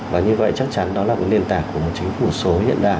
và như vậy chắc chắn đó là cái nền tảng của một chính phủ số hiện đại